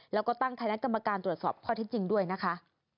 แล้วก็ตั้งคณะกรรมการตรวจสอบข้อที่จริงด้วยนะคะ